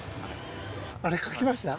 あれ書きました？